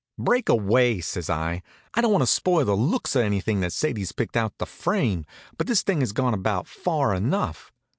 "Break away!" says I. "I don't want to spoil the looks of anythin' that Sadie's picked out to frame, but this thing has gone about far enough.